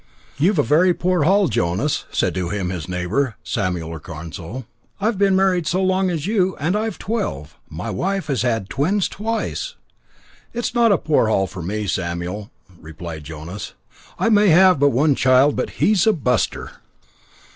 "You've a very poor haul, Jonas," said to him his neighbour, Samuel Carnsew; "I've been married so long as you and I've twelve. My wife has had twins twice." "It's not a poor haul for me, Samuel," replied Jonas, "I may have but one child, but he's a buster."